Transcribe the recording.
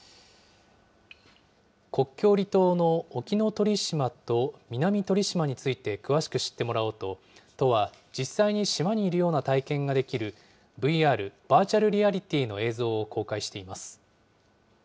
国境離島の沖ノ鳥島と南鳥島について詳しく知ってもらおうと、都は実際に島にいるような体験ができる、ＶＲ・バーチャルリアリティーの映像を公開しています。